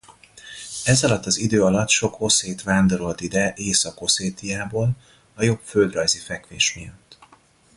Ezalatt az idő alatt sok oszét vándorolt ide Észak-Oszétiából a jobb földrajzi fekvés miatt.